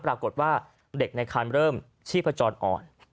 ปรากฏว่าเด็กในคันเริ่มชีพจรอ่อน